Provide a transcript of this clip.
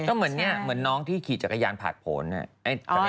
ก็เหมือนเนี่ยเหมือนน้องที่ขี่จักรยานผ่านผล